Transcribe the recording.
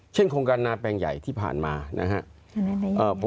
โครงการนาแปลงใหญ่ที่ผ่านมานะครับ